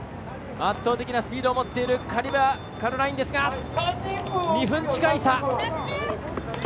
圧倒的なスピードを持っているカリバ・カロラインですが２分近い差。